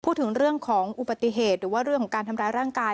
พูดถึงเรื่องของอุบัติเหตุหรือว่าเรื่องของการทำร้ายร่างกาย